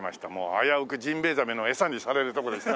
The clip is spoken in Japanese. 危うくジンベエザメの餌にされるとこでしたね。